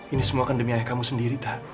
ini semua kan demi ayah kamu sendiri tak